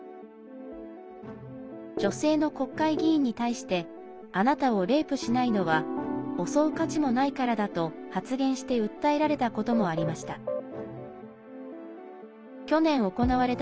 女性の国会議員に対してあなたをレイプしないのは襲う価値もないからだと発言して訴えられたこともありました。